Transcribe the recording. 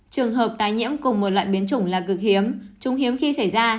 trường hợp tái nhiễm cùng một loại biến chủng là cực hiếm chúng hiếm khi xảy ra